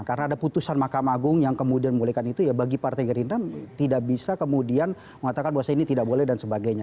karena ada putusan makam agung yang kemudian memulihkan itu ya bagi partai gerindra tidak bisa kemudian mengatakan bahwasannya ini tidak boleh dan sebagainya